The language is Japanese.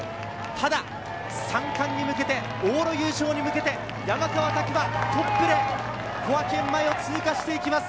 ただ３冠に向けて往路優勝に向けて山川拓馬トップで小涌園前を通過していきます。